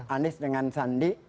anies dengan sandi